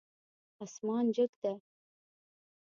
اسمان جګ ده